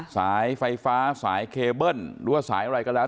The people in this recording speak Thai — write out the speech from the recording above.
สายไฟฟ้าสายเคเบิ้ลหรือว่าสายอะไรก็แล้ว